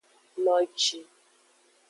Noji.